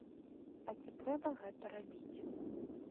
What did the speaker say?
А ці трэба гэта рабіць?